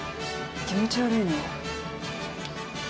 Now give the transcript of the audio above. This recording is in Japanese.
気持ち悪いのよ。